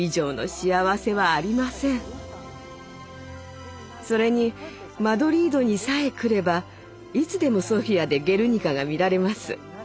でもそれにマドリードにさえ来ればいつでもソフィアで「ゲルニカ」が見られます。